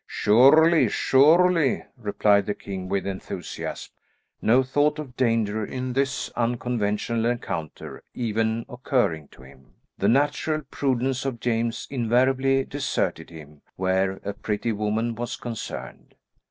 "Surely, surely!" replied the king with enthusiasm, no thought of danger in this unconventional encounter even occurring to him. The natural prudence of James invariably deserted him where a pretty woman was concerned.